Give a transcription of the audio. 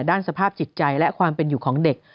ด้านสภาพจิตใจและความเป็นอยู่ของเด็ก